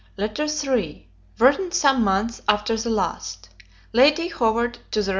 LETTER III [Written some months after the last] LADY HOWARD TO THE REV.